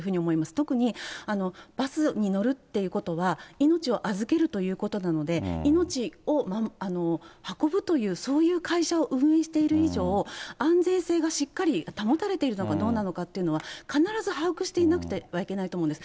特に、バスに乗るっていうことは、命を預けるということなので、命を運ぶという、そういう会社を運営している以上、安全性がしっかり保たれているのかどうなのかというのは、必ず把握していなくてはいけないと思うんです。